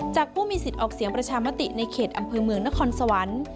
ผู้มีสิทธิ์ออกเสียงประชามติในเขตอำเภอเมืองนครสวรรค์